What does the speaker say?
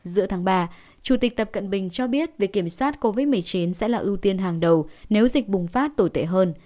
giữa tháng ba chủ tịch tập cận bình cho biết việc kiểm soát covid một mươi chín sẽ là ưu tiên hàng đầu nếu dịch bùng phát tồi tệ hơn